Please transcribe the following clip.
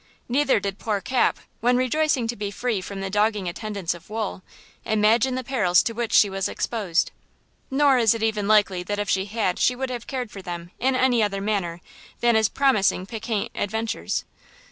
Neither did poor Cap when, rejoicing to be free from the dogging attendance of Wool, imagine the perils to which she was exposed; nor is it even likely that if she had she would have cared for them in any other manner than as promising piquant adventures.